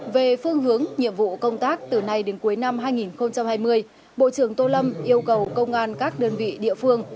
về phương hướng nhiệm vụ công tác từ nay đến cuối năm hai nghìn hai mươi bộ trưởng tô lâm yêu cầu công an các đơn vị địa phương